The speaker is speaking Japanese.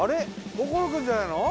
心君じゃないの？